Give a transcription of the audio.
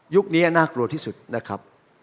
นี้น่ากลัวที่สุดนะครับ